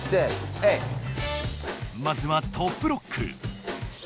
まずは「トップロック」。